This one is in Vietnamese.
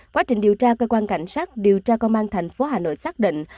quá trình điều tra cơ quan cảnh sát điều tra công an thành phố hà nội xác định